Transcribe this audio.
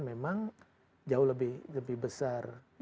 memang jauh lebih besar